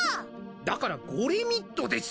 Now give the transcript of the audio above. だからゴレミッドです！！